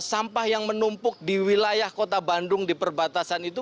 sampah yang menumpuk di wilayah kota bandung di perbatasan itu